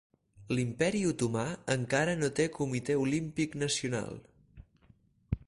L'Imperi Otomà encara no té Comitè Olímpic Nacional.